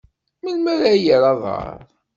Melmi ara yerr aḍar?